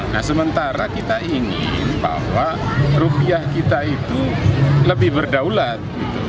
nah sementara kita ingin bahwa rupiah kita itu lebih berdaulat